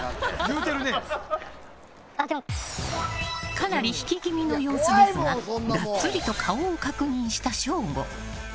かなり引き気味の様子ですがガッツリと顔を確認した省吾。